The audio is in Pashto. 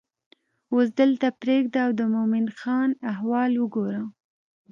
اوس دلته پرېږده او د مومن خان احوال وګوره.